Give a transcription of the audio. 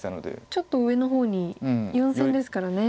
ちょっと上の方に４線ですからね。